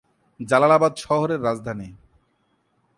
জালালাবাদ শহর এর রাজধানী।